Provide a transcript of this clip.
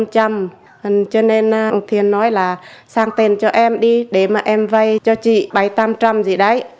cho nên ông thiền nói là sang tiền cho em đi để mà em vay cho chị bảy trăm linh tám trăm linh gì đấy